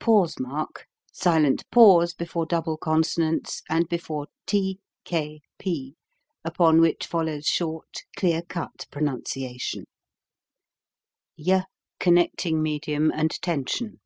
^ silent pause before double consonants and be fore t, k, p, upon which follows short, clear cut pronunciation. y connecting medium and tension.